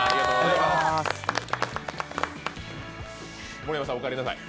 盛山さんおかえりなさい。